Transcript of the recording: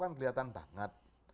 kan kelihatan banget